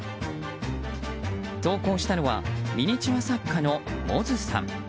投稿したのは、ミニチュア作家のＭｏｚｕさん。